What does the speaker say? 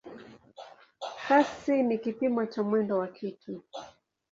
Kasi ni kipimo cha mwendo wa kitu.